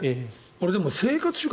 俺、でも生活習慣